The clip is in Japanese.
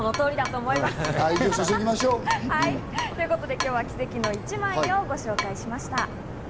ということで、今日は奇跡の一枚をご紹介しました。